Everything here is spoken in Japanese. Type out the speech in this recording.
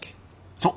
そう。